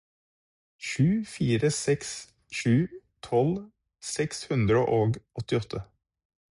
sju fire seks sju tolv seks hundre og åttiåtte